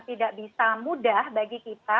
tidak bisa mudah bagi kita